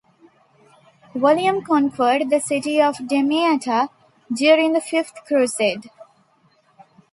William conquered the city of Damietta during the Fifth Crusade.